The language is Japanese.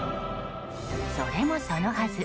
それもそのはず